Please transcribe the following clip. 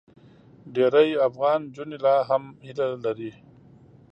ډېری افغان نجونې لا هم هیله لري.